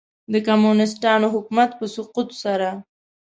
د کمونیسټانو حکومت په سقوط سره.